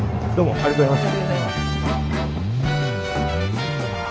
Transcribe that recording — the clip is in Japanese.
ありがとうございます。